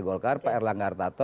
golkar pak erlaga hartarto